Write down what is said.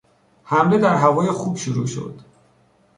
حمله در هوای خوب شروع شد.